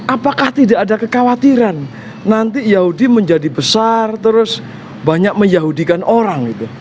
apakah tidak ada kekhawatiran nanti yahudi menjadi besar terus banyak meyahudikan orang